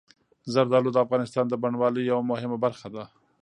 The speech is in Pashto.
زردالو د افغانستان د بڼوالۍ یوه مهمه برخه ده.